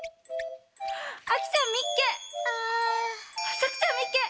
さくちゃんみっけ！